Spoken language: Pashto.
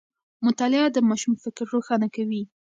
مطالعه د ماشوم فکر روښانه کوي.